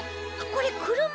これくるま？